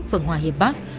phường hòa hiệp bắc